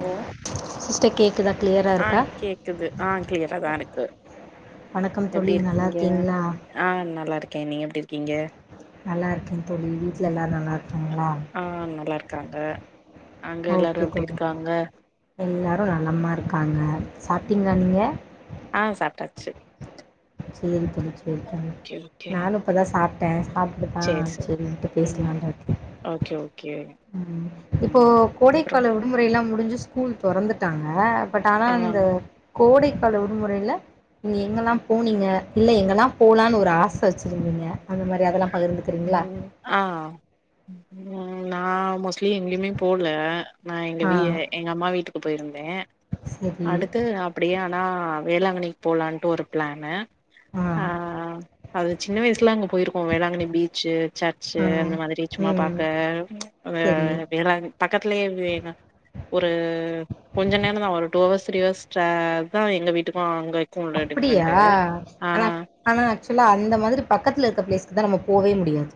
Hello sister கேட்குதா கிளியராக ஆ இருக்கா கேக்குது ஆ கிளியராதா இருக்கு வணக்கம் எப்டி தோழி இருக்கீங்க நல்லாயிருக்கீங்ளா ஆ நல்லாயிருக்கே நீங்க எப்டி இருக்கீங்க நல்லா இருக்கே தோழி வீட்ல எல்லாரு நல்லாயிருக்கீங்ளா ஆ நல்லா இருக்காங்க அங்க எல்லாரு ஓகே எப்டி தோழி இருக்காங்க எல்லாரு நலமா இருக்காங்க சாப்டிங்ளா நீங்க ஆ சாப்ட்டாச்சு செரி தோழி செரி தோழி ஓகே ஓகே நானு இப்பதா சாப்ட்டே சாப் ட்டுதா சேரி சேரி செரின்ட்டு ம் பேசலான்னு தோழி ஓகே ஓகே ம் அப்றம் விடுமுறைல்லா முடிஞ்சு ஸ்கூல் தொறந்துட்டாங்க பட் ஆனா ஆ இந்த கோடைக்கால விடுமுறையில நீ எங்கெல்லா போனீங்க இல்ல எங்கெல்லா போலான் ஒரு ஆச வெச்சிருந்தீங்க அந்த மாரி அதெல்லா ம் ஆ ம் நா மோஸ் ட்லி எங்கேயுமே போல நா எங்க வீ ஆ எங்க அம்மா வீட்டுக்கு போயிருந்தே சரி அடுத்து அப் அப்டியே ஆனா வேளாங்கண்ணிக்கு போலான்ட்டு ஒரு பிளானு ஆ அது சின்ன வயசுல அங்க போயிருக்கோ வேளாங்கண்ணி பீச்சு ச ர்ச்சு ஆ அந்த மாதிரி சும்மா பாக்க ம் வே சரி வேளாங்கண் பக்கத்லே வேளாங் ஒரு கொஞ்சோ நேரதா ஒரு டூ ஹவர்ஸ் த்ரீ ஹவர்ஸ் ட்ர தா எங்க வீட்டுக்கு அங்கயு உள்ள அப்படியா டிஃப்ரெண்ட்டு ஆ ஆனா ஆனா ஆக்சுவலா அந்த மாதிரி பக்கத்துல இருக்க பிளேஸ்க்குதா நம்ம போவே முடியாது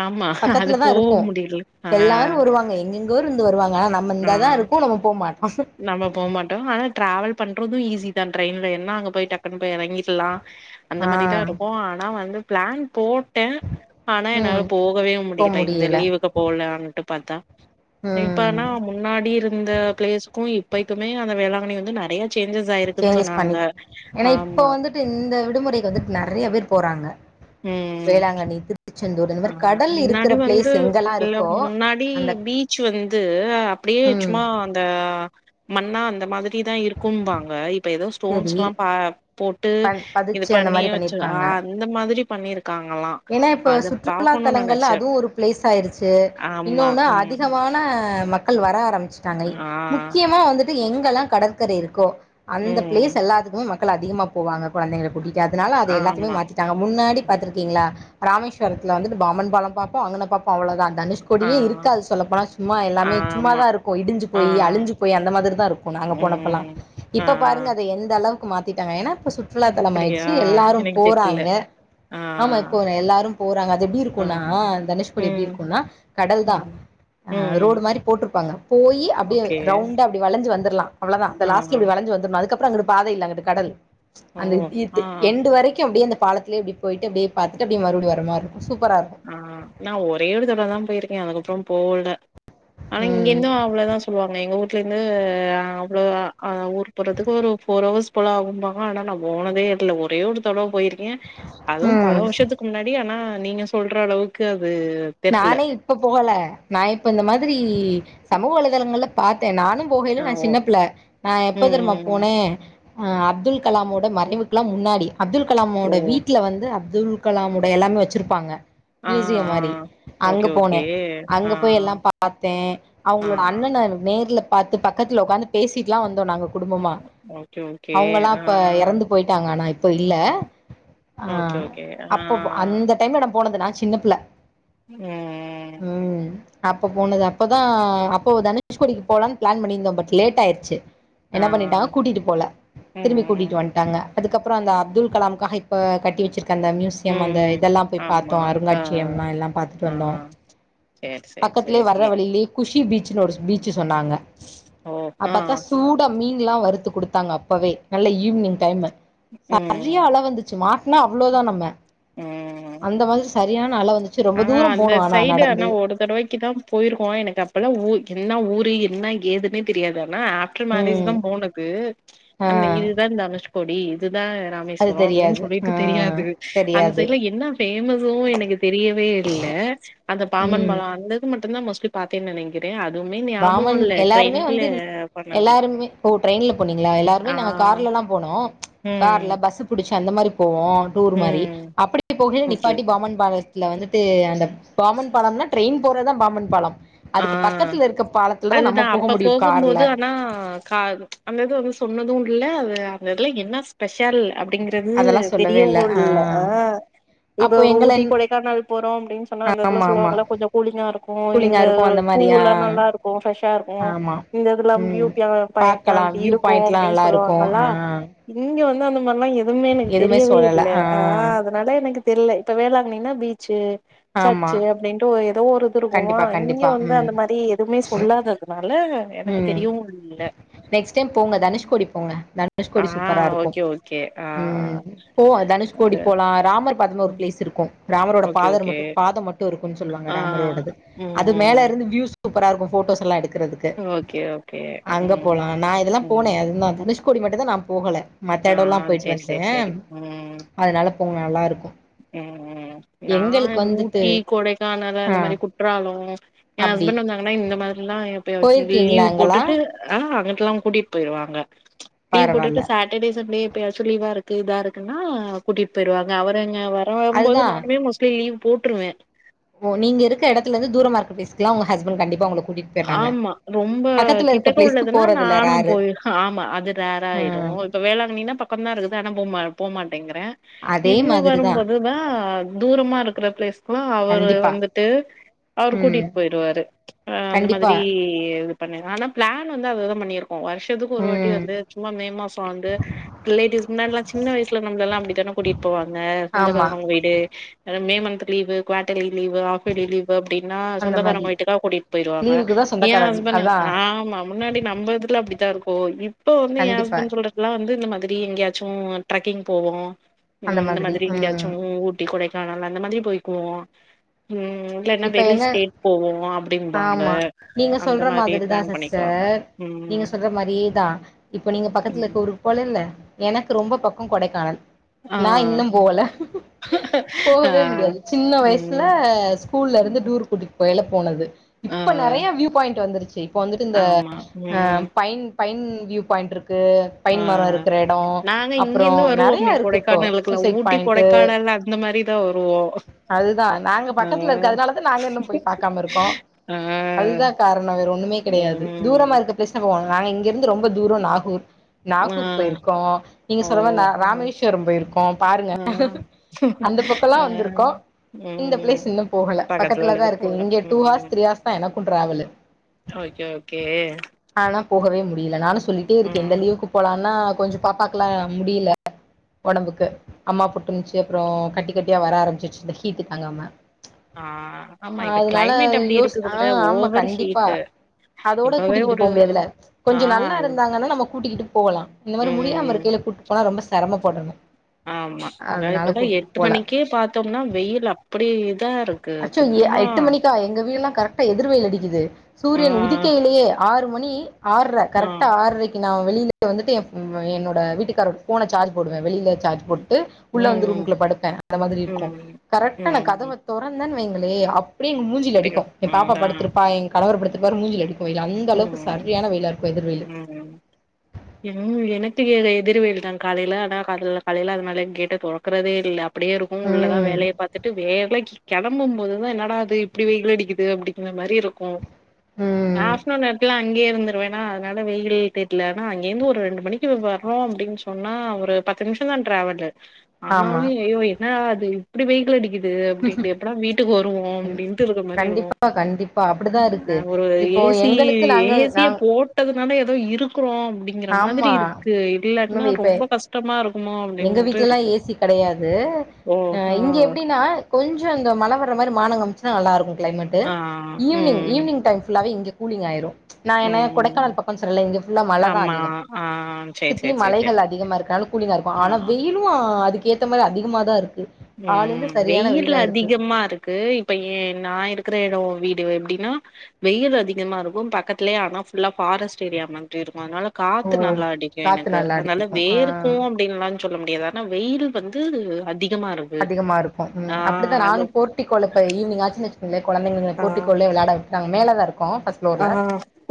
ஆமா அது பக்கத்துலதா போக இருக்கு முடியல ஆ எல்லாரு வருவாங்க எங்கெங் கோ இருந்து வருவாங்க ஆனா நம்ம ஆ இந்தாதா இருக்கோ நம்ம போ மாட்டோ நம்ம போ மாட்டோ ஆனா டிராவல் பண்றது ஈஸி தா ட்ரெயின்ல ஏன்ன அங்க போய் டக்குன்னு போய் எறங்கிட்லா அந்த ஆ மாரி தா இருக்கோ ஆனா வந்து பிளான் போ ட்ட ஆனா என்னால ம் போகவே போ முடில இந்த முடியல லீவுக்கு போலான்ட்டு பாத்தா ம் இப்பனா முன்னாடியிருந்த பிளேஸுக்கு இப்பைக்குமே அந்த வேளாங்கண்ணி வந்து நறைய சேஞ்சஸ் ஆயிருக்குன் சேஞ்சஸ் பண்ணி சொன்னாங்க ஏன்னா இப்போ ஆமா வந்துட்டு இந்த விடுமுறைக்கு வந்துட் நறைய பேர் போறாங்க வேளாங்கண்ணி திரு அ முன்னாடி வந்து எங்கெல்லா இல்ல இருக்கோ முன்னாடி அந்த பீச் வந்து அப்டியே ம் சும்மா அந்த மண்ணா அந்த மாதிரி தா இருக்கும்பாங்க இ ப்ப ஏதோ சரி ஸ்டோன்ஸ்லா பா போட்டு ப இது பதிச்சு அந்த பண்ணி மாரி வச்சு ஆ பண்ணிருக்காங்க இந்த மாதிரி பண்ணிருக்காங்கலா ஏன்னா இப்போ சுற்றுலா தலங்கள்ல அதுவு ஒரு பிளேஸ் ஆயிருச்சு ஆமா இன்னொனு ம் அதிகமான ன மக்கள் வர ஆரம்மிச்சுட்டாங்க ஆ முக்கியமா வந்துட்டு எங்கெல்லா கடற்கரை இருக்கோ அந்த பிளேஸ் ம் எல்லாத்துக்குமே மக்கள் அதிகமா போவாங்க கொழந்தைகள கூட்டிகிட்டு அதனால அது எல்லாத்தமே ஆமா மாத் டாங்க முன்னாடி பாத்ருக்கீங்ளா ராமேஸ்வரத்ல வந்து பாம்பன் பாலம் பாப்போ அங்கன பாப்போ அவ்ளதா ஆ தனுஷ்கோடியே இருக்காது சொல்ல போனா சும்மா எல்லாமே ஆமா சும்மாதா இருக்கு இடிஞ்சு போயி ஆ அழிஞ்சு போயி அந்த மாதிரிதா இருக்கு நாங்க போனப்பல்லா ம் ஆ இப்ப பாருங்க அத எந்த அளவுக்கு மாத்திட்டாங்க ஏனா இப்ப சுற் றுலாத்தலம் அப்படியா ஆயிடுச்சு எல்லாரு எனக்கு தெர்ல போறாங்க ஆ ஆமா எல்லாரு போறாங்க அது எப்டி ஆ இருக்குனா தனுஷ்கோடி எப்டி ம் இருக்குனா கடல்தா ம் ஆ ம் ரோடு மாரி போட்ருப்பாங்க போயி அப்டியே ஓகே ரவுண்டா அப்டி வளைஞ்சு வந்தர்லா அவ்ளதா அந்த ஆ லாஸ்ட்ல ஆ இப்டி வல வளஞ்சு வந்தர்னு அதுக்கப்பற அங்குட்டு பாத இல்ல அங்குட்டு கடல் ஓ அந்த தீர்தி ஆ எண்டு வரைக்கு அப்டியே இந்த பாலத்லே இப்டி போயிட்டு அப்டியே பாத்துட்டு அப்டியே மறுபடி வரமாரி இருக்கு சூப்பரா இருக்கு ஆ நா ஒரே தடவதா போயிருக்கே அதுக்கப்பற போல ஆனா இங்க ம் இருந்து அவ்ளோதா சோ சொல்வாங்க எங்க வுட்லேங்க ஆ அவ்ளோத ஊர்க்கு போறதுக்கு ஒரு ஃபோர் ஹவர்ஸ் இப்பல ஆகும்பாங்க ஆனா நா போனதே இல்ல ஒரே ஒரு தடவ போயிருக்கே அதுவு பல ம் வர்ஷத்துக்கு முன்னாடி ஆனா நீங்க சொல்ற அளவுக்கு அது தெர்ல நானே இப்ப போகல நா இப்ப இந்த மாதிரி சமூக வலைதளங்கள்ல பாத்தே நானும் போகையில ஆ நா ஓ சின்னப்பிள்ள நா எப்போதெர்மா ம் ம் போனே அப்துல் கலாமோட மறைவுக்குலா முன்னாடி அப்துல் ஓ கலாமோட வீட்ல வந்து அப்துல் ஆ கலாமோட எல்லாமே வச்சுருப்பாங்க ஆ மியூசியம் மாரி ஆ அங்க ஓகே ஓகே போனே ஆ அங்க போய் எல்லா பாத்தே ஆ ஆ அவங்களோட ஆ. அண்ணன எனக் நேர்ல பாத்து பக்கத்துல உக்காந்து பேசிட்டுலா வந்தோ நாங்க குடும்பமா ஓகே ஓகே அவங்கல்லா ஆ இப்ப எறந்து போயிட்டாங்க ஆனா இப்ப இல்ல ஆ ஆ ஓகே ஓகே ஆ அப்ப அந்த டைம் ல நா போனது நா சின்னப்பிள்ள ம் ம் அப்ப போனது அப்பதா அப்போ தனுஷ்கோடிக்கு போலான்னு பிளான் பண்ணிந்தோ பட் லேட் ஆயிருச்சு ஆ என்ன பண்ணிட்டாங்க கூட்டிட்டு போல திரும்பி ம் கூட்டிட்டு வண் டாங்க அதுக்கப்பற அந்த ம் ம் அப்துல் கலாம்காக இப்ப கட்டி வச்சிருக்க அந்த மியூஸ் சியம் அந்த ம் இதெல்லா போய் பாத்தோ ஆமா அந்த ஆ அருங்காட்சியம் எல்லாம் பாத் ஆ வந்தோ சேரி சேரி பக்கத்லே வர்ற சேரி வழிலே குஷி பீச்னு ஒரு பீச் சொன்னாங்க ஓ அப் ஆ பாத்தா சூடா மீன்ல்லா வறுத்து குடுத்தாங்க அப்பவே நல்ல ஈவ்னிங் டைம்மு செரியா ம் அல வந்துச்சு மாட்னா அவ்ளதா நம்ம ம் அந்த மாரி செரியான அல வந்துச்சு ரொம்ப ஆனா தூரம் அந்த போனு ஆனா சைடு நடந்து ஒரு தடவைக்கு தா போயிருக்கோ எனக்கு அப்பல்லா என்ன ஊரு என்ன ஏது னே தெரியாது ஆனா ஆப்டர் மேரேஜ் தா ம் போனது அந்த ஆ இதுதா தனுஷ்க்கோடி இதுதா அது ராமேஸ்வரோ அப்டின்னு தெரியாது ஆ சொல்லிட்டு தெரியாது அந்த தெரியாது சைட்ல என்ன பேமஸ்சோ எனக்கு தெரியவே இல்ல அந்த பாம்பன் ம் பாலோ அந்தது மட்டுந்தா மோஸ்ட்லி பாத் நெனைக்கிறேன் அதுவுமே ஞாபகம் பாமன் இல்ல எல்லாருமே ட்ரெயின்ல வந்து போணது எல்லாருமே ஓ ட்ரெயின்ல போனீஙளா எல்லாருமே நாங்க கார்லலா போனோ கார்ல ம் பஸ்சு புடிச்சி அந்த மாரி போவோ டூர் மாரி ம் அப்டி போகயில ஓகே நிப்பாட்டி ஓகே பாம்பன் பாலத்துல வந்துட்டு அந்த பாம்பன் பாலம்னா ட்ரெயின் போறதா பாமன் பா ஆ அதுக்கு பக்கத்துல இருக்க பாலத்துலதா அதுதா நம்ம போக அப்ப முடியு போகும் கார்ல போது ஆனா கா அது அந்த இது வந்து சொன்னது இல்ல அது அந்த இதுல என்ன ஸ்பெஷல் அப்டிங்றது தெரியவு இல்ல ஆ இப்ப அப்போ ஒரு எங்கள ஊட்டி கொடைக்கானல் போறோ அப்டின்னு சொன்னா அந்த எடத்துல ஆமா ஆமா சொல்வாங்ள கொஞ்ச கூலிங்கா இருக்கு இந்த கூலிங்கா இருக்கு அந்த மாரியா பூவெல்லா நல்லா இருக்கு ஃப்ரெஷ்ஷா இருக்கு ஆமா இந்த இதெல்லா ம் பியூட்டியா பைலட்லா பாக்கலா இப்டி வியூ இருக்கு பாயிண்ட்லா அப்டின்னு நல்லா இருக்கு சொல்லுவாங்களா ஆ இங்க வந்து அந்த மாரிலா எது அதுமே எனக்கு எதுமே தெரியவே சொல்லல இல்ல ஆ பட எனக்கு தெர்ல இப்ப வேளாங்கண்ணி னா பீச்சு ஆமா சர்ச்சு அப்டின்ட்டு ஒ ஏதோ ஒரு கண்டிப்பா கண்டிப்பா நீ வந்து ம் அந்த மாரி எதுமே சொல்லாததுனால எனக்கு தெரியவு இல்ல நெஸ்ட் டைம் போங்க தனுஷ்கோடி போங்க தன் ஆ னுஷ்கோடி சூப்பரா இருக்கு ஓகே ஓகே ஆ ம் போவாங்க அது தனுஷ்கோடி போலா ராமர் பத்ம ஒர் ம் பிளேஸ் இருக் ர்க்கு ராமரோட ஓகே ஓகே பாதர்கு பாதம் மட்டு இருக்கு சொல்லுவாங்க ஆ ராமரோடது ம் அது ம் மேலர்ந்து வியூவ்ஸ் சூப்பரா இருக்கு போட்டோஸ் எல்லா எடுக்கிறதுக்கு ஓகே ஓகே அங்க ம் போலா நா இதுலா போனே ம் அது தனுஷ் கோடி மட்டுந்தா நா போகல ஆ மத்த இடோலா போயிட்டு சேரி வன்டே சேரி சேரி ம் அதனால போகும நல்லா இருக்கு ம் ம் நா எங்களுக்கு வந்துட்டு ஊட்டி கொடைக்கானல் ஆ அந்த மாரி கு ற்றாலோ எ அப்டி ஹஸ்பண்ட் வந்தாங்கனா இந்த மாதிரிலா எ பே போயிருக்கீங்களா லீவ் அங்கலா போட்டுட்டு ஆ அங்குட்ல்லா கூட்டிட் போயிருவாங்க லீவ் பரவால்ல போட்டுட்டு சாட் எடே சண்டே இப்பயாச்சு லீவா இருக்கு இதா இருக்குனா கூட்டிட் போயிருவாங்க அவரே ங்க வரும்போது அதுதா நானுமே மோஸ்லி லீவ் போட்ருவே ஓ நீங்க இருக்க இடத்துலந்து தூரமா இருக் பிளேஸ்கிலா உங்க ஹஸ்பண்ட் கண்டிப்ப உங்குளுக் ஆமா ரொம்ப கிட்டக்க பிளேஸ்க்கு உள்ளதுனா போறதில்ல நானா ரேரு போய் ஆமா அது ரேரா ஆயிரு ம் இப்ப வேளாங்கண்ணினா பக்கந்தா இருக்குது ஆனா போம போமாட்டேங்கிற அதே இவுங்க மாதிரிதா வரும்போதுதா தூரமா இருக்கிற பிளேஸ்கிலா அவரு கண்டிப்பா வந்துட்டு அவரு ம் கூட்டிட் போயிருவாரு ஆ அந்த கண்டிப்பா மாதிரி இது பண்ணு ஆனா பிளான் வந்து அதுதா பண்ணிருக்கோ வர்ஷ ஷதுக்கு ஒரு வாட்டி ம் வந்து சும்மா மே மாச வந்து ரிலேட்டிவ்ஸ் முன்னாட்லா சின்ன வயசுல நம்லெல்லா அப்டித்தானே கூட்டிட் போவாங்க ஆமா சொந்தக்காரவ்ங்க வீடு அதா May month leave quarterly leave half yearly leave அப்டின்னா அந்த மாரி சொந்தக்காரவுங்க வீட்டுகா கூட்டிட் போங்க லீவுக்குதா ஏ சொந்தக்காரர் ஹஸ்பண்டா அதா ஆ ஆமா முன்னாடி நம்பதுல அப்டிதா இருக்கு இப்ப வந்து எ கண்டிப்பா ஹஸ்பண்ட் சொல்ற எல்லா வந்து இந்த மாதிரி எங்கயாச்சு ட்ரக்கிங் போவோ அந்த இந்த மாதிரி எங்கயாச்சு ம் ஊ ட்டி கொடைக்கானல் அந்த மாதிரி போய்க்குவோ இல்லனா இப்ப வெளி என்ன ஸ்டேட் போவோ அப் ஆமா நீங்க சொல்ற மாதிரிதா பிளான் பண்ணிக்குவாங்க சிஸ்டர் நீங்க ம் சொல்ற மாரியேதா இப்ப நீங்க பக்கத்துல ம். இருக்க ஊருக்கு போலல்ல எனக்கு ரொம்ப பக்கோ கொடைக்கானல் ஆ நா இன்னும் போல ஆ போக்வே முடியாது சின்ன வயசுல ம் ஸ் கூல்ல இருந்து ம் டூர் கூட்டிட் போகைல போனது ஆ இப்ப நெறைய வியூ பாயிண்ட் வந்துருச்சு இப்ப வந்துட்டு இந்த ஆமா அ ம் பைன் பைன் வியூ பாயிண்ட்ருக்கு ஆ நாங்க இங்கேந்து நெறைய வருவோம்மே இருக்கு இப்போ கொடைக்கானலக்குல சூசைட் ஊட்டி பாயிண்ட்டு கொடைக்கானல்ல அந்த மாரி தா வருவோ அதுதா நாங்க பக் ஆ க்கத்துல இருக்கு அதனால தா நாங்க இன்னு போய் பாக்காம இருக்கோ ஆ அதுதா காரணோ வேற ஒண்ணுமே கெடையாது தூரமா ம் இருக்க பேசினே போவாங்க நாங்க இங்கெர்ந்து ரொம்ப தூரோ நாகூர் ஆ நாகூர் போயிருக்கோ நீங்க ஓ சொன்னமேர் ராமேஸ்வரம் போயிருக்கோ பாருங்க ஆ அந்த பக்கலா ஆ வந்திருக்கோ இந்த ம் பிளேஸ் இன்னு போகல பக்கத்துல பக்கத்துலதா உள்ளது இருக்கு போல இங்க டூ ஹார்ஸ் ம் த்ரீ ஹார்ஸ் தா எனக்கு டிராவலு ஓகே ஓகே ஆனா போகவே முடியில நானு சொல்லிட்டே இருக்கே ம் இந்த லீவுக்கு போலான்னா கொஞ்ச பாப்பாக்லா முடியில ஒடம்புக்கு அம்மா போட்ருன்ச்சி அப்றோ கட்டி கட்டியா வர ஆரம்பிச்சிச்சு இந்த ஹீட்டு தாங்காம ஆ ஆமா இப்ப அதனால கிளைமேட் அப்டி யோச் ஆ இருக்குதுல்ல ஆமா ஓவர் கண்டிப்பா ஹீட்டு அதோட இப்பவே கூட்டிக்கிட்டு ஒரு போவ் முடியாதுல ஆ கொஞ்ச நல்லா இருந்தாங்கனா நம்ம கூட்டிக்கிட்டு போவலா இந்த மாரி முடியாம ம் இருக்கைல கூட் போனா ரொம்ப செரம படணு ஆம்மா இங்க இப்பதா எட்டு மணிக்கே பாத்தோம்னா வெயில் அப்படி இதா இருக்கு அச்சோ ஏ சுத்தமா எட்டு மணிக்கா எங்க வீட்லா கரெட் டு எதிர் வெயில் அடிக்குது ஆ சூரியன் உதிக்கையிலேயே ஆறு மணி ஆர்ற ஆ கரெக்ட்டா ஆற்ரைக் நா வெளில வந்துட்டு எவ் என்னோட வீட்டுக்காரோட ஃபோன சார்ஜ் போடுவே வெளில சார்ஜ் போட்டு உள்ள வந்து ம் ரூம்குள்ள படுப்பே அந்த மாதிரி இருக்கு ம் கரெக்டா நா ம் கதவ தொறந்தேன் வைங்களே அப்டியே எங்க மூஞ்சில அப்டியா அடிக்கு எ பாப்பா அதா படுத்திருப்பா எங் கணவர் படுத்திருப்பாரு மூஞ்சில அடிக் வெயிலு அந்த அளவுக்கு ம் சரியான வெய்யிலா இருக்கு எதிர்வெய்யிலு ம் [unintelligible] எனக்கு தெரியாதே எதிர் வெய்யில் தா காலைல ஆனா காலைல காலைல அதனால கேட்ட தொறக்குறதே இல்ல அப்டியே இருக்கு உள்ளதா ம் வேலைய பாத்துட்டு வேலைக்கு கெளம்பும் போது தா என்னடா இது இப்படி வெய்யில் அடிக்குது அப்படிங்கிற மாரி இருக்கு ம் ட்லா அங்கேயே இருந்துருவேனா அதனால வெயிலே தெர்ல ஆனா அங்க இந்து ஒரு ரெண்டு மணிக்கு வர்ரோ அப்டின் சொ ன்னம்னா ஒரு பத்து நிமிஷந்தா ட்ராவல்லு ஆமா ஆனாலு ஐயோ என்னடா இது இப்டி வெய்யில் அடிக் குது அப்டிண்டு எப்பாடா வீட்டுக்கு வருவோ அப்டின்ட்டு இருக்க மாரி இருக்கு கண்டிப்பா கண்டிப்பா அப்படிதான் இருக்கு அ ஒரு இப்போ ஏ ஸ் சி எங்களுக்கு நாங்க ஏ சி ய நாங் போ ட்டதுனால ஏதோ இருக்றோ அப்டிங்கிற மாதிரி ஆமா இருக்கு இல்லாட்னா உண்மைவே இப்ப ரொம்ப கஷ்டமா இருக்குமோ எங்க அப்டின்ட்டு வீட்லல்லா இருக்கு ஏ சி கெடையாது ஆ இங்க எப்டின்னா கொஞ்சோ இங்க மழ வர்ற மாரி மானங் காம்ச்சுனா நல்லாருக்கு கிளைமேட்டு ஆ ஈவ்னிங் ம் ஈவ்னிங் டைம் ஃபுல்லாவே இங்க கூலிங் ஆயிரு நா என்ன ம் கொடைக்கானல் பக்கோன் சொன்னல இங்க ஃபுல்லா மல தா ஆமா அதிகம் ஆ சேரி சுத்தி சேரி சேரி சேரி மலைகள் அதிகமா இருக்கனால கூலிங்கா இருக்கு ஆ ஆ ஆனா வெயிலு அதுக்கு ஏத்த மாரி அதிகமா தா இருக்கு காலைல ம் சரியான வெயில் வெயிலா இருக்கு அதிகமா இருக் கு இப்ப ஏ நான் இருக்கிற எடோ வீடு எப்டின்னா வெயிலு அதிகமா இருக்கு பக்கத்தலயே ஆனா ஃபுல்லா ஃபாரெஸ்ட் ஏரியா மாதிரி இருக்கு அதனால ஓ காத்து நல்லா அடிக்கு காத்து எனக்கு நல்லா அதனால அடிக்கு வேர் க்கு ஆ அப்டின்லா சொல்ல முடியாது ஆனா வெயில் வந்து அதிகமா இருக் அதிகமா இருக்கு ம் அப்படிதா நானும் போர்ட்டிகோல போய் ஈவினிங் ஆச்சுனு வச்க் ங்ளே கொழந்தைங்கள நா ஆ போர்ட்டிக்கோலே வெளாட விட்டுட்டு நாங்க மேலே தா இருக்கோ ஃபர்ஸ் ஆ ஃப்ளோர்ல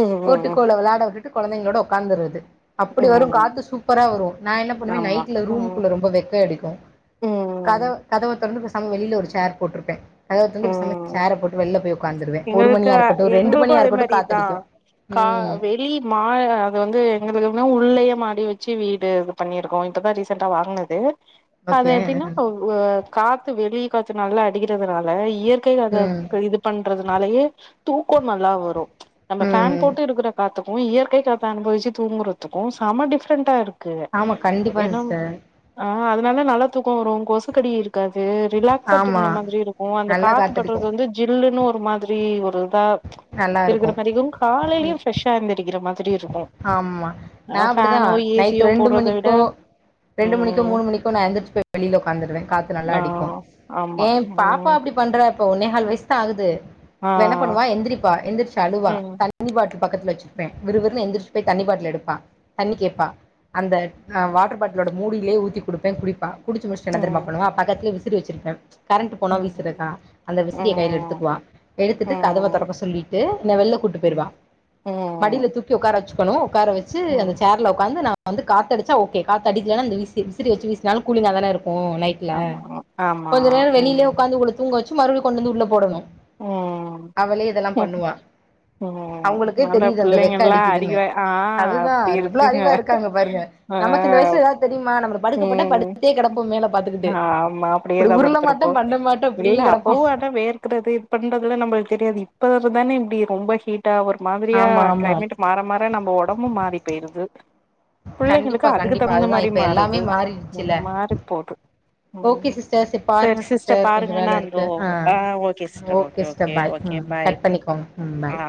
ம் ம் போர்ட்டிக்கோ ல வெளாட விட்டுட் ட்டு கொழந்தைங்களோட ஒக்காந்தர்றது அப்படி வரு ம் ம் காத்து சூப்பரா வரு நா என்ன பண்ணுவே ஆமா நைட்ல ரூம் ம் குள்ள ரொம்ப வெக்கை அடிக்கு கதவ ம் கதவ தொறந்து பேசாம வெளில ஒரு சேர் போட்ருப்பே கதவ தொறந்து பேசாம ம் சேர போட்டு வெளில போய் ஒக்காந்துருவே ஒரு எங்களுக்கு மணியா இருக்கட்டு ரெண்டு எங்களுக்கு மணியா இருக்கட்டு காத்தடிக்கு ம் லி மா அது வந்து எங்களுக்கு எப்னா உள்ளயே மாடி வச்சு வீடு இது பண்ணிருக்கோ இப்பதா ரீசண்டா வாங்ன து அது ஓகே எப்டின்னா வு காத்து வெளிய காத்து நல்லா அடிக்கிறதுனால இயற் க்கை அத ம் இது பண்றதுனாலயே தூக்கோ நல்லா வரு நம்ம ஃபேன் ம் போட்டு இருக்கிற காத்துக்கு இயற்கை காத்த அனுபவிச்சு தூங்குறதுக்கு செம டிஃப்ரெண்டா இரு க்கு ஆமா கண்டிப்பா ஏனா சிஸ்டர் ஆ அதனால நல்லா தூக்கோ வரு கொசுக்கடி இருக்காது ரிலாக்ஸா ஆமா தூங்ன மாதிரி இருக் கு அந்த நல்லா காத்து பட்றது காத்தடிக்கு வந்து ஜில்லுன்னு ஒரு மாதிரி ஒரு ப நல்லா இருக்கிற இருக்கு மாரிக்கு காலையிலயு ஃப்ரெஷ்ஷா எந்திருக்கிற மா ஆம்மா நா அப்டிதா ஏ நைட் சியோ ரெண்டு போட்றத விட மணிக்கோ ரெண்டு மணிக்கோ ம் மூனு மணிக்கோ நா எந்திரிச்சுபோய் வெளில ஒக்காந்துருவே கா நல்லா ஆ அடிக்கு ஆமா ஏ பாப்பா ம் அப்டி பண்றா இப்ப ஒன்னேகால் வயசு தா ஆகுது ஆ இவ என்ன பண்ணுவா எந்திரிப்பா எந்திரிச்சு அழுவா ம் த தண்ணி பாட்லு பக்கத்துல வெச்சிருப்பே விறுவறுன்னு எந்திரிச்சு போயி தண்ணி பாட்டுல எடுப்பா தண்ணி கேப்பா அந்த அ வாட்டர் பாட்டில்லோட மூடியிலேயே ஊத்தி குடுப்பே குடிப்பா குடிச்சு முடிச்சுட்டு என்ன தெரியுமா ம் பண்ணுவா பக்கத்துலே விசிறி வெச்சிருப்பே கரண்ட் போனா ம் வீசுறக்கா அந்த விசிறிய கையில ம் எடுத்துக்குவா எடுத்துட்டு கதவ ம் தொறக்க சொல்லிட்டு என்ன வெளில கூட்டிட்டு போயிருவா மடில ம் தூக்கி உக்கார வச்சுக்கணு உக்கார வச்சு அந்த ம் சேர்ல உக்காந்து நா வந்து காத்து அடிச்சா ஓகே காத்து அடிக்கலனா விசிறி வச்சு வீசுனாலு கூலிங்காதானே இருக்கு நை ட்ல ஆமா ஆமா கொஞ்ச நேரோ ம் வெளியிலயே உக்காந்து தூங்க வச்சு மறுபடியு கொண்டு வந்து உள்ள போடணு ம் அவளே இதெல்லா பண்ணுவா ம் அவுங்களுக்கே நல்ல தெரியு து அந்த வெக்க பிள்ளைங்கல்லா அடிக்குதுன்னு அறிவா ஆ அதுதா அப்டி எவ்ளோ இருக்குங்க அறிவா இருக்காங்க பாருங்க ஆ நமக்கு இந்த வயசுல ஏதாவது தெரியுமா நம்மள படுக்கப்போட்டா ம் படுத்தே கெடப்போ மேல பாத்துக்கிட்டு ஆமா இப்டி அப்டியேதா உருள மாட்டோ படுத்திருப்போ பண்ண மாட் டோ இல்ல அப்டியே கெடப்போ அப்பவு ஆனா வேர்க்கிறது இது பண்றதுலா நம்மளுக்கு தெரியாது இப்ப தானே இப்டி ரொம்ப ஹீட் ட்டா ஒரு மாதிரியா ஆமா ஆமா க்ளைமேட் மாற மாற நம்ம ஒடம்பும் மாறி போயிருது பிள்ளைங்களுக்கு கண்டிப்பா அதுக்கு கண்டிப்பா தகுந்த அதுதான் மாரி இப்ப எல்லாமே மாறுது மாறிடுச்சுல மாறி போது ஓகே ம் சிஸ்டர் பாருங்க செரி சிஸ்டர் கொஞ்சோ பாருங்க நா வேல இந்தோ இருக்கு ஆ ஓகே சிஸ் செரி சிஸ்டர் ஓகே பாய் ம் ஓகே பாய் கட் பண்ணிக்கோங்க ம் பாய் ஆ